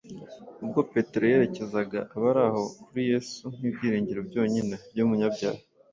Ubwo Petero yerekezaga abari aho kuri Yesu nk’ibyiringiro byonyine by’umunyabyaha,